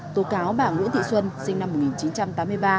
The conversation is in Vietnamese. tổ cáo bà nguyễn thị xuân sinh năm